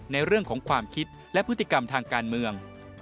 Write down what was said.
ในเรื่องของความคิดและพฤติกรรมทางการเมือง